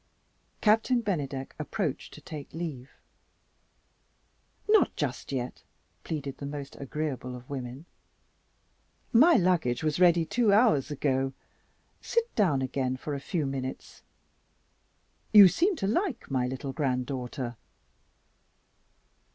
Captain Bennydeck approached to take leave. "Not just yet," pleaded the most agreeable of women; "my luggage was ready two hours ago. Sit down again for a few minutes. You seem to like my little granddaughter."